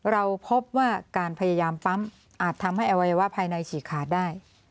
เราพบว่าการพยายามปั๊มอาจทำให้อวัยวะภายในฉีกขาดได้